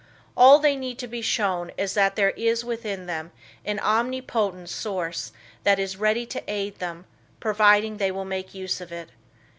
All they need to be shown is that there is within them an omnipotent source that is ready to aid them, providing they will make use of it.